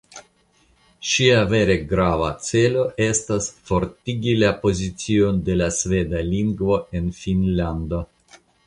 Ŝia vere grava celo estas fortigi la pozicion de la sveda lingvo en Finnlando.